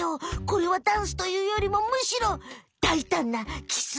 これはダンスというよりもむしろだいたんなキス。